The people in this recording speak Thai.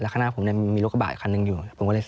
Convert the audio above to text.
แล้วข้างหน้าผมมีรถกระบาดอีกคันนึงอยู่